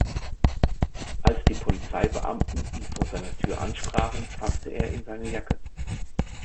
Als die Polizeibeamten ihn vor seiner Tür ansprachen, fasste er in seine Jacke.